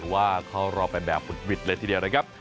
ว่าเข้ารอบไปแบบหุดหวิดเลยทีเดียวนะครับ